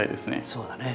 そうだね。